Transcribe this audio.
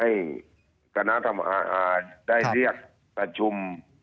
อย่างที่ได้เรียกผ้าชม